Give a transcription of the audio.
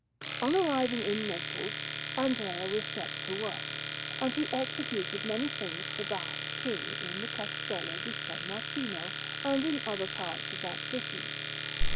On arriving in Naples, Andrea was set to work, and he executed many things for that King in the Castello di San Martino and in other parts of that city.